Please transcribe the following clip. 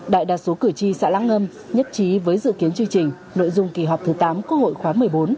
đại đa số cử tri xã lãng ngâm nhất trí với dự kiến chương trình nội dung kỳ họp thứ tám quốc hội khóa một mươi bốn